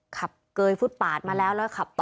เกยฟุตปาดมาแล้วแล้วขับต่อ